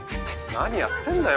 何やってんだよ